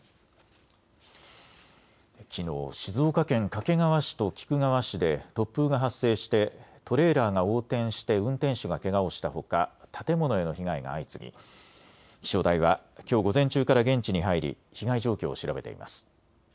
きのう、静岡県掛川市と菊川市で突風が発生してトレーラーが横転して運転手がけがをしたほか建物への被害が相次ぎ気象台はきょう午前中から現地に入り被害状況を調べています。